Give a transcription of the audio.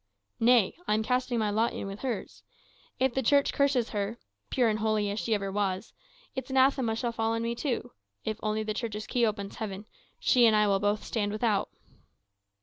"Nay; I am casting my lot in with hers. If the Church curses her (pure and holy as she ever was), its anathema shall fall on me too. If only the Church's key opens heaven, she and I will both stand without."